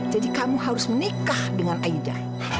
jadi kamu harus menikah dengan aida